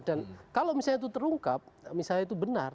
dan kalau misalnya itu terungkap misalnya itu benar